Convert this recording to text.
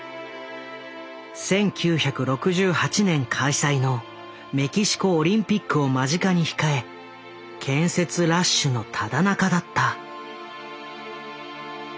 １９６８年開催のメキシコオリンピックを間近に控え建設ラッシュのただ中だった。